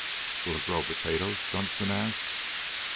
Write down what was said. "Will it grow potatoes?" Gunston asked.